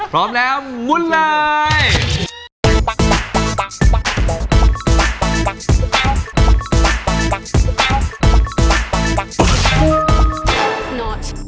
พร้อมแล้วมุ่นไลน์